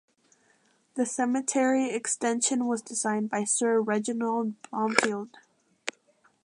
The cemetery extension was designed by Sir Reginald Blomfield.